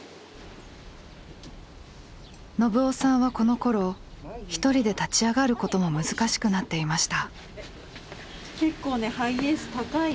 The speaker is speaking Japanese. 信男さんはこのころ一人で立ち上がることも難しくなっていました。